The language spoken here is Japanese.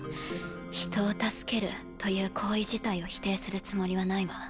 人を助けるという行為自体を否定するつもりはないわ。